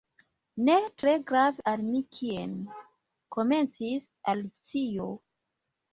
"Ne tre grave al mi kien " komencis Alicio.